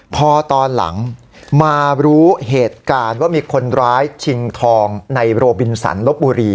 พอตอนหลังมารู้เหตุการณ์ว่ามีคนร้ายชิงทองในโรบินสันลบบุรี